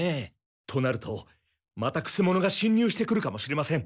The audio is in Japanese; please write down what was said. となるとまたくせ者がしん入してくるかもしれません。